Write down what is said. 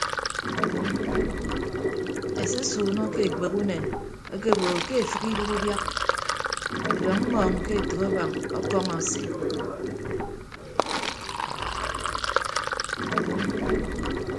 Esesuunọ ke ekpek unen ekeebo ke efịk idooho ubiak ọdọñ mmọọñ ke etәk abañ ọkọñọ ase.